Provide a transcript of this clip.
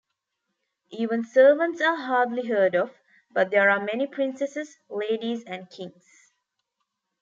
Even servants are hardly heard of, but there are many princesses, ladies and kings.